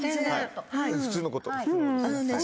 普通のこと。